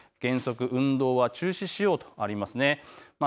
原則、運動は中止しようとあります。